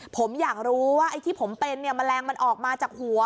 ผมอยากรู้ว่าไอ้ที่ผมเป็นเนี่ยแมลงมันออกมาจากหัว